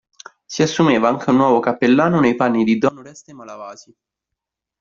Si assumeva anche un nuovo cappellano nei panni di "Don Oreste Malavasi.